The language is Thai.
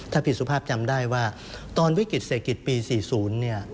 ถ้าผิดสุภาพจำได้ว่าตอนวิกฤติเศรษฐกิจปี๔๐